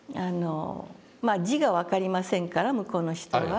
まあ字が分かりませんから向こうの人は。